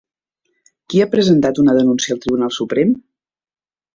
Qui ha presentat una denúncia al Tribunal Suprem?